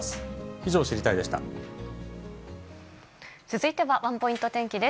以上、続いてはワンポイント天気です。